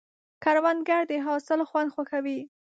کروندګر د حاصل خوند خوښوي